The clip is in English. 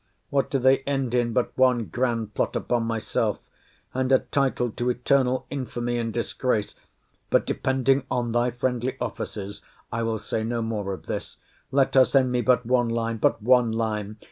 What do they end in, but one grand plot upon myself, and a title to eternal infamy and disgrace! But, depending on thy friendly offices, I will say no more of this.—Let her send me but one line!—But one line!